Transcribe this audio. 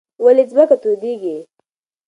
ولې ځمکه تودېږي؟